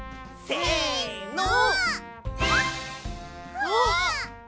せの！